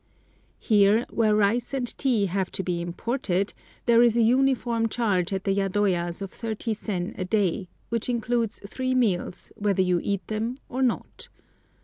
Here, where rice and tea have to be imported, there is a uniform charge at the yadoyas of 30 sen a day, which includes three meals, whether you eat them or not.